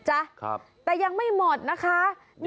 โอ๊ยโอ๊ย